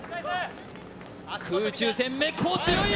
空中戦めっぽう強い。